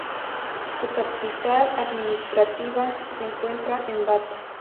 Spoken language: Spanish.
Su capital administrativa se encuentra en Bata.